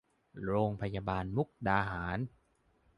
โรงพยาบาลมุกดาหาร